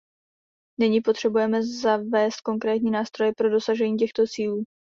Nyní potřebujeme zavést konkrétní nástroje pro dosažení těchto cílů.